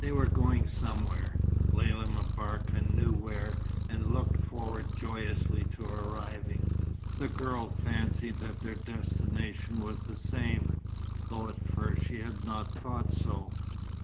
They were going somewhere, Lella M'Barka knew where, and looked forward joyously to arriving. The girl fancied that their destination was the same, though at first she had not thought so.